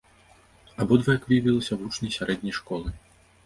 Абодва, як выявілася, вучні сярэдняй школы.